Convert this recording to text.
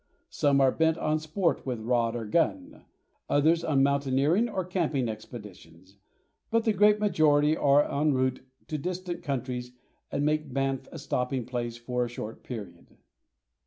Some are bent on sport with rod or gun; others on mountaineering or camping expeditions, but the great majority are en route to distant countries and make Banff a stopping place for a short period.